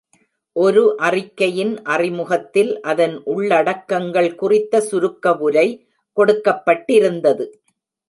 ஒரு அறிக்கையின் அறிமுகத்தில் அதன் உள்ளடக்கங்கள் குறித்த சுருக்கவுரை கொடுக்கப்பட்டிருந்தது.